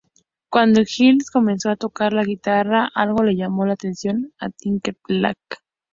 Cuando Hills comenzó a tocar la guitarra, algo le llamó la atención a Timberlake.